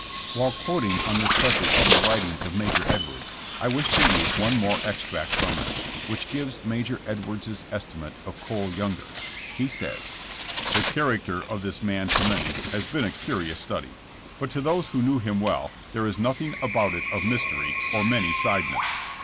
While quoting on this subject from the writings of Major Edwards, I wish to use one more extract from them, which gives Major Edwards' estimate of Cole Younger. He says :'' The character of this man to many has been a curious study, but to those who knew him well there is nothing about it of mystery or many sideness.